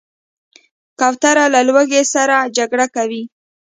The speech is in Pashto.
کوتره له لوږې سره جګړه کوي.